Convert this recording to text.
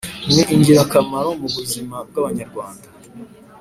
ni ingirakamaro mu buzima bw’abanyarwanda.